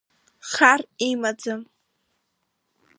Хар имаӡам.